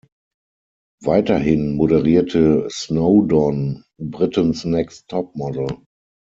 Weiterhin moderierte Snowdon "Britain's Next Topmodel".